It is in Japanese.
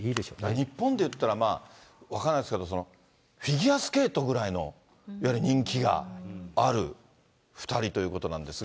日本で言ったら分かんないですけど、フィギュアスケートぐらいの、いわゆる人気がある２人ということなんですが。